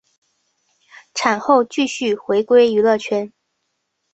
产后继续回归娱乐圈。